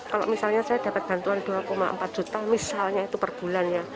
kalau misalnya saya dapat bantuan dua empat juta misalnya itu per bulannya